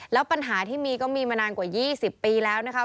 แล้วปัญหาที่มีก็มีมานานกว่า๒๐ปีแล้วนะคะ